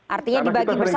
artinya dibagi bersama ya